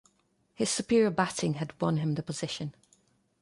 His superior batting had won him the position.